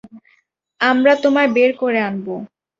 আমরা তোমায় বের করে নেবো।